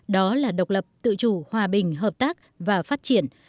đó là độc lập tự chủ hòa bình hợp tác và phát triển